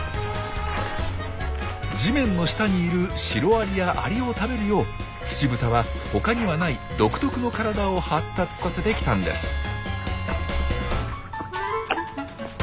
地面の下にいるシロアリやアリを食べるようツチブタは他にはない独特の体を発達させてきたんです。